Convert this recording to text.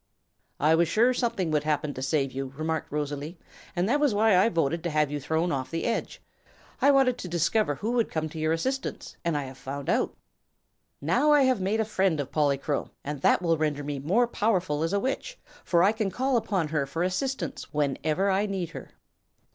"I was sure something would happen to save you," remarked Rosalie, "and that was why I voted to have you thrown off the edge. I wanted to discover who would come to your assistance, and I found out. Now I have made a friend of Polychrome and that will render me more powerful as a Witch, for I can call upon her for assistance whenever I need her."